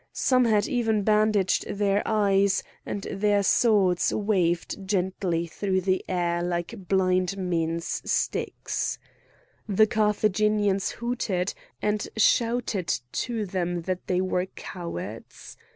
Some had even bandaged their eyes, and their swords waved gently through the air like blind men's sticks. The Carthaginians hooted, and shouted to them that they were cowards.